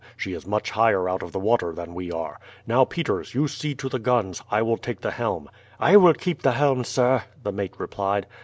She is much higher out of the water than we are. Now, Peters, you see to the guns, I will take the helm." "I will keep the helm, sir," the mate replied.